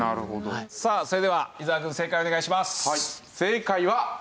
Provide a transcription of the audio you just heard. さあそれでは伊沢くん正解をお願いします。